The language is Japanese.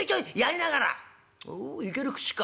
「ほういける口か。